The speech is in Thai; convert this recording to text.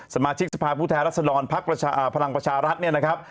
สมาชิกสภาพผู้แท้รัศนรรย์ภรรยาภารังประชารัฐเนี่ยนะครับ